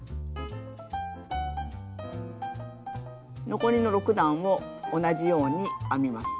残りの６段を同じように編みます。